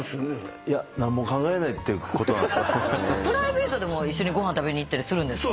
プライベートでも一緒にご飯食べに行ったりするんですか？